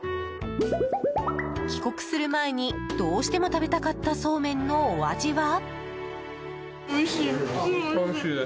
帰国する前にどうしても食べたかったそうめんのお味は？